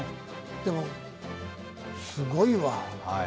でも、すごいわ。